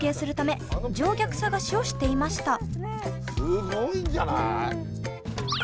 すごいんじゃない。